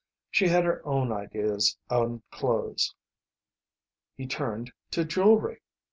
She had her own ideas on clothes. He turned to jewellery.